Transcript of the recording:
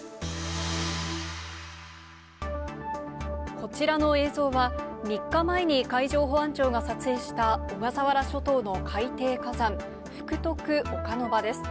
こちらの映像は、３日前に海上保安庁が撮影した小笠原諸島の海底火山、福徳岡ノ場です。